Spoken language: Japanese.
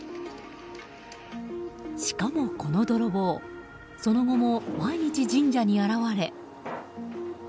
しかも、この泥棒その後も毎日神社に現れ。